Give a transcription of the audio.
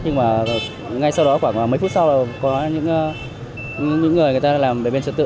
nhưng mà ngay sau đó khoảng mấy phút sau là có những người người ta làm bệnh viện trật tự